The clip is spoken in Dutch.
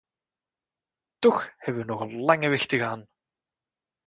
Toch hebben we nog een lange weg te gaan.